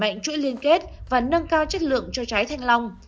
đẩy mạnh chuỗi liên kết và nâng cao chất lượng cho trái thanh long